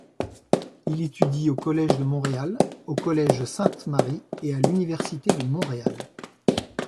Il étudie au Collège de Montréal, au Collège Sainte-Marie et à l'Université de Montréal.